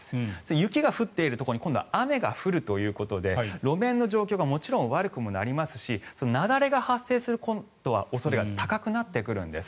雪が降っているところに今度は雨が降るということで路面の状況がもちろん悪くなりますし雪崩が発生する恐れが高くなってくるんです。